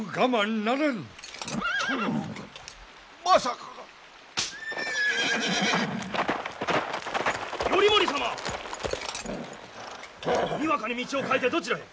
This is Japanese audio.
にわかに道を変えてどちらへ！？